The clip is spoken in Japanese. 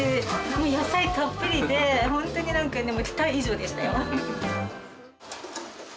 野菜たっぷりで本当に何かね期待以上でしたよ。